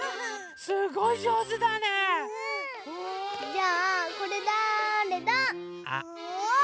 じゃあこれだれだ？あっ。